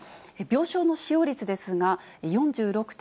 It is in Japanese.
病床の使用率ですが、４６．９％。